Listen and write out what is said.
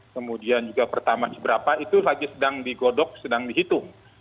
kemudian juga pertama seberapa itu lagi sedang digodok sedang dihitung